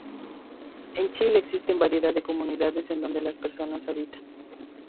En Chile existe variedad de comunidades en donde las personas habitan.